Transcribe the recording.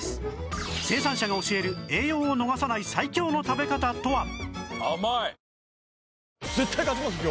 生産者が教える栄養を逃さない最強の食べ方とは？